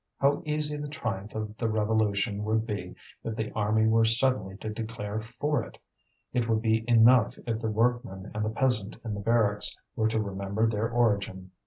How easy the triumph of the revolution would be if the army were suddenly to declare for it! It would be enough if the workman and the peasant in the barracks were to remember their origin.